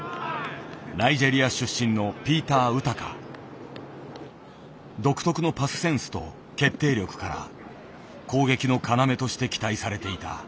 ナイジェリア出身の独特のパスセンスと決定力から攻撃の要として期待されていた。